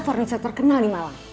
fornisan terkenal di malang